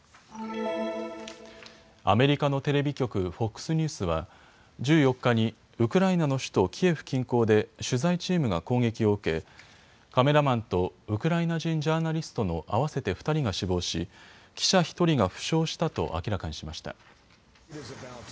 アメリカのテレビ局ＦＯＸニュースは１４日にウクライナの首都キエフ近郊で取材チームが攻撃を受けカメラマンとウクライナ人ジャーナリストの合わせて２人が死亡し記者１人が負傷したと明らかにしました。